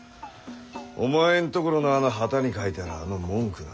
お前んところのあの旗に書いてあるあの文句な。